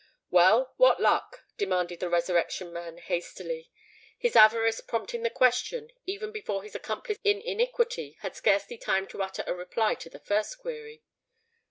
"Well—what luck?" demanded the Resurrection Man, hastily—his avarice prompting the question even before his accomplice in iniquity had scarcely time to utter a reply to the first query.